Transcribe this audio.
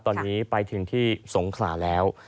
ตอนนี้ไปถึงที่สงขลาแล้ว